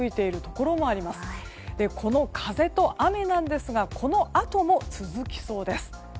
この風と雨なんですがこのあとも続きそうです。